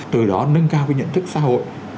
từ đó nâng cao cái nhận thức xã hội